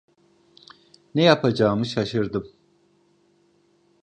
Ne yapacağımı şaşırdım.